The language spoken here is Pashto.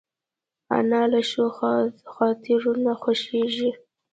انا له ښو خاطرو نه خوښېږي